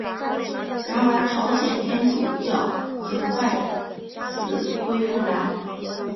然而朝鲜天主教很快死灰复燃。